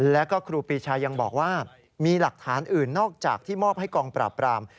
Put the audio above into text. แล้วก็ครูปีชายังบอกว่ามีหลักฐานอื่นนอกจากที่มอบให้กองปราบราม